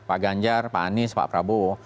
pak ganjar pak anies pak prabowo